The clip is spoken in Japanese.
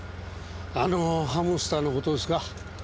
あのハムスターの事ですか？